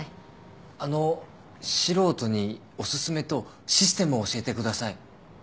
あの素人にお薦めとシステムを教えてください。